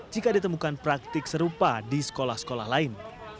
jika ditemukan praktik serupa di sekolah sekolah lain